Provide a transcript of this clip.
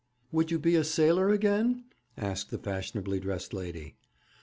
'Would you be a sailor again?' asked the fashionably dressed lady.